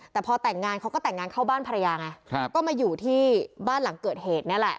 แต่พอแต่งงานเขาก็แต่งงานเข้าบ้านภรรยาไงก็มาอยู่ที่บ้านหลังเกิดเหตุนี่แหละ